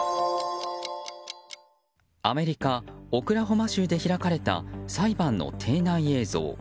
アメリカ・オクラホマ州で開かれた裁判の廷内映像。